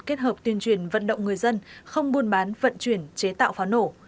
kết hợp tuyên truyền vận động người dân không buôn bán vận chuyển chế tạo pháo nổ